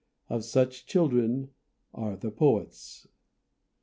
Of such children are the poets.